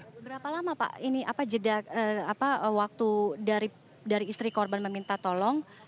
berapa lama pak ini apa jeda waktu dari istri korban meminta tolong